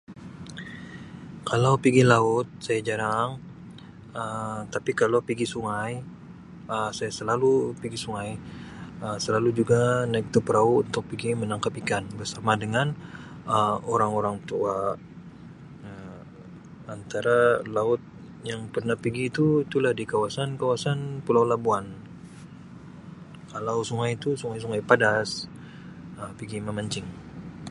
Kalau pigi laut saya jarang Um tapi kalau pigi sungai Um saya selalu pigi sungai Um selalu juga naik tu perau untuk pigi menangkap ikan bersama dengan Um orang-orang tua Um. Antara laut yang pernah pigi itu tulah di kawasan-kawasan pulau Labuan. Kalau sungai tu, sungai-sungai Padas Um pigi memancing.